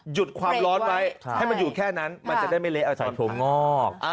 หยุดความร้อนไว้ให้มันอยู่แค่นั้นมันจะได้ไม่เละเอาใส่ถั่วงอก